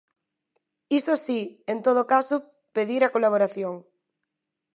Iso si, en todo caso, pedir a colaboración.